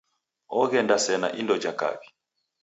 Oghenda sena indo ja kawi.